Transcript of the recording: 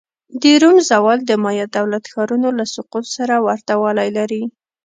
د روم زوال د مایا دولت ښارونو له سقوط سره ورته والی لري.